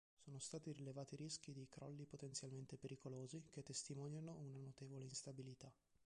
Sono stati rilevati rischi di "crolli potenzialmente pericolosi" che testimoniano una notevole instabilità.